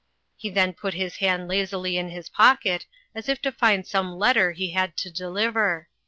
He then put his hand hazily in his pocket, as if to find some letter he had to deliver.